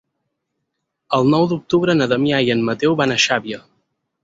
El nou d'octubre na Damià i en Mateu van a Xàbia.